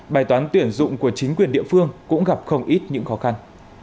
bài toán tuyển dụng của chính quyền địa phương cũng gặp không ít những khó khăn